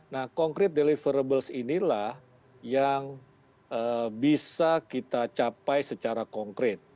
nah konkret deliverables inilah yang bisa kita capai secara konkret